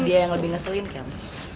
dia yang lebih ngeselin kan